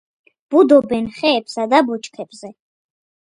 ბუდობენ ხეებსა და ბუჩქებზე.